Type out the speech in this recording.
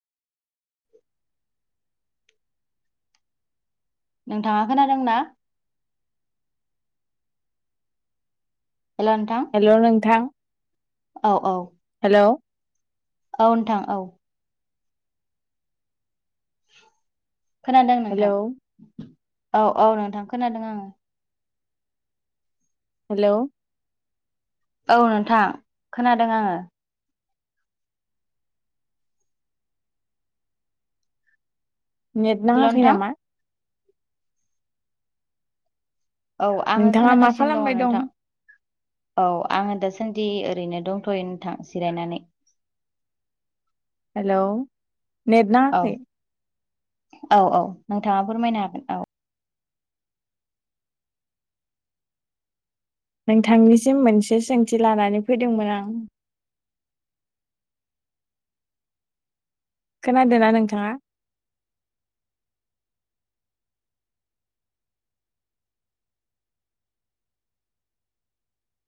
नों थाङा खोनादोंना? [unintelligible] हेल' नोंथां औ औ हेल'! औ नोंथां औ। खोनादों हेलौ नोंथां औ औ नोंथां खोनादों आङो। हेलौ? औ नोंथां खोनादों आङो। नेट हेल' नाङाखै नोंथां नामा? औ आङो नोंथाङा मा खोनागासिनो खालामबाय दङ दं नोंथां। औ आङो दासान्दि ओरैनो दंथ'यो नोंथां जिरायनानै। हेलौ नेट औ नाङाखै। औ औ नोंथाङा फोरमायनो हागोन औ। नोंथांनिसिम मोनसे सोंथि लानानै फैदोंमोन आं। खोनादोंना नोंथाङा?